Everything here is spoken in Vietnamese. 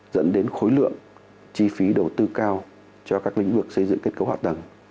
dẫn đến khối lượng chi phí đầu tư cao cho các lĩnh vực xây dựng kết cấu hạ tầng